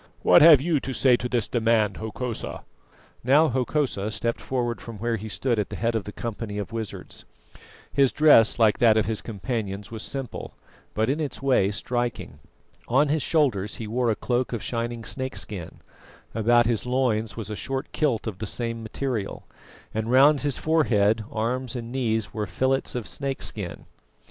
What have you to say to this demand, Hokosa?" Now Hokosa stepped forward from where he stood at the head of the company of wizards. His dress, like that of his companions, was simple, but in its way striking. On his shoulders he wore a cloak of shining snakeskin; about his loins was a short kilt of the same material; and round his forehead, arms and knees were fillets of snakeskin.